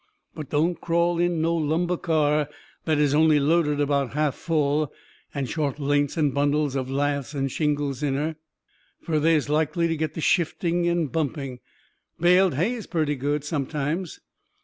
But don't crawl in no lumber car that is only loaded about half full, and short lengths and bundles of laths and shingles in her; fur they is likely to get to shifting and bumping. Baled hay is purty good sometimes.